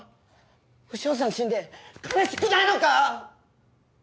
潮さん死んで悲しくないのか